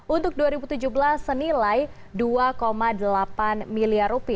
untuk dua ribu tujuh belas senilai rp dua delapan miliar